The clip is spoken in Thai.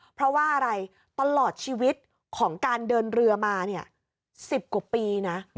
เพราะว่าอะไรตลอดชีวิตของการเดินเรือมาเนี่ย๑๐กว่าปีนะ